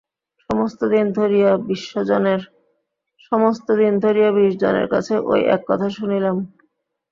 সমস্ত দিন ধরিয়া বিশজনের কাছে ওই এক কথা শুনিলাম।